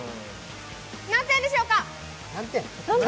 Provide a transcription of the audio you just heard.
何点でしょうか？